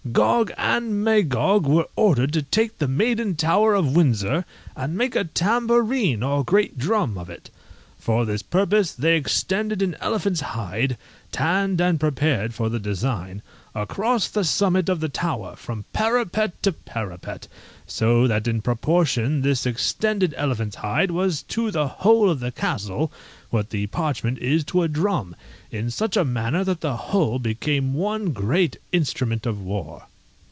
Gog and Magog were ordered to take the maiden tower of Windsor, and make a tambourine or great drum of it. For this purpose they extended an elephant's hide, tanned and prepared for the design, across the summit of the tower, from parapet to parapet, so that in proportion this extended elephant's hide was to the whole of the castle what the parchment is to a drum, in such a manner that the whole became one great instrument of war.